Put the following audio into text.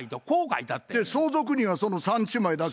相続人はその３姉妹だけ？